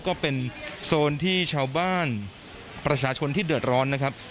ก็เป็นโซนที่ชาวบ้านประชาชนที่เดือดร้อนนะครับ